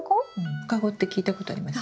ムカゴって聞いたことあります？